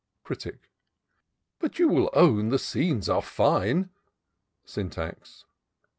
Critic. " But you will own the scenes are fine." Syntax.